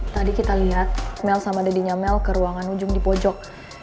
tadi kita lihat mel sama deddy nya mel ke ruangan ujung di pojok